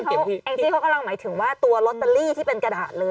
แองจี้เขากำลังหมายถึงว่าตัวลอตเตอรี่ที่เป็นกระดาษเลย